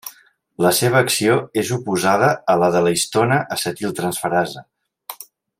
La seva acció és oposada a la de la histona acetiltransferasa.